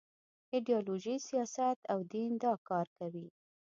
ایډیالوژي، سیاست او دین دا کار کوي.